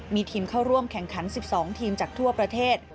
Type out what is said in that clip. มีทีมเข้าร่วมแข่งขัน๑๒ทีมจากทั่วประเทศ